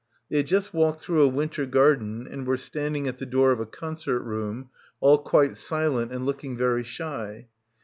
They had just walked through a winter garden and were standing at the door of a concert room, all quite silent and looking very shy.